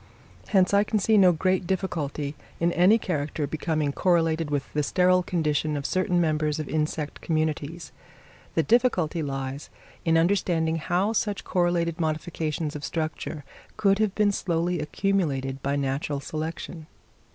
Hence, I can see no great difficulty in any character becoming correlated with the sterile condition of certain members of insect communities; the difficulty lies in understanding how such correlated modifications of structure could have been slowly accumulated by natural selection.